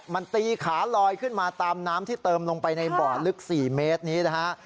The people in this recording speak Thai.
มันตีขาลอยขึ้นมาตามน้ำที่เติมลงไปในบ่อลึก๔เมตรนี้นะฮะ